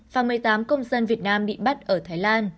và một mươi tám công dân việt nam bị bắt ở thái lan